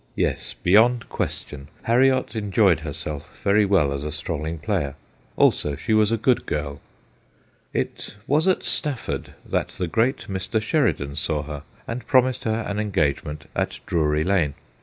Yes, beyond^ question, Harriot enjoyed herself very well as a strolling player. Also, she was a good girl. It was at Stafford that the great Mr. Sheridan saw her, and promised her an engagement at Drury Lane.